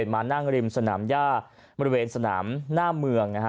มานั่งริมสนามย่าบริเวณสนามหน้าเมืองนะฮะ